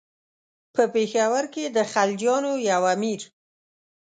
په پېښور کې د خلجیانو یو امیر.